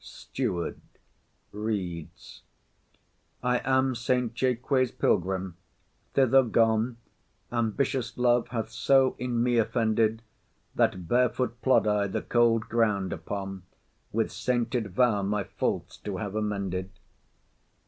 STEWARD. [Reads.] _I am Saint Jaques' pilgrim, thither gone. Ambitious love hath so in me offended That barefoot plod I the cold ground upon, With sainted vow my faults to have amended.